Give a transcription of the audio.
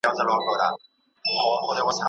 لکه ترله،